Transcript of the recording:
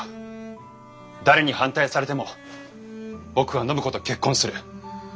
誰に反対されても僕は暢子と結婚する。